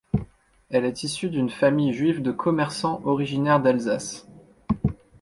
Elle est issue d'une famille juive de commerçants originaire d'Alsace.